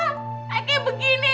ayah kayak begini